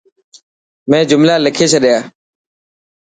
مين جملا لکي ڇڏيا.